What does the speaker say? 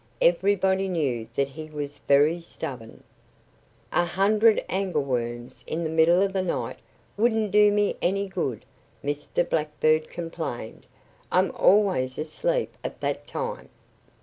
Everybody knew that he was very stubborn. "A hundred angleworms in the middle of the night wouldn't do me any good," Mr. Blackbird complained. "I'm always asleep at that time."